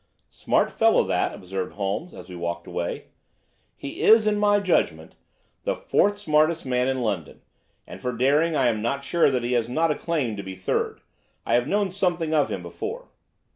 "Smart fellow, that," observed Holmes as we walked away. "He is, in my judgment, the fourth smartest man in London, and for daring I am not sure that he has not a claim to be third. I have known something of him before."